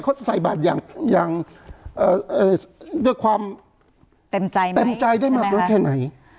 เขาจะใส่บาทอย่างอย่างเอ่อเอ่อด้วยความเต็มใจเต็มใจได้มากแล้วแค่ไหน